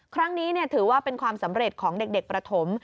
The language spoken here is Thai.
ครั้งนี้ถือว่าเป็นความสำเร็จของเด็กประถม